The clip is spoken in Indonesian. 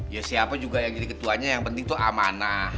ya siapa juga yang jadi ketuanya yang penting tuh amanah